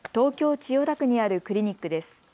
千代田区にあるクリニックです。